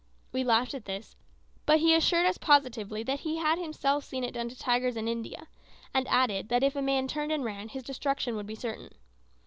We laughed at this; but he assured us positively that he had himself seen it done to tigers in India, and added that if a man turned and ran his destruction would be certain.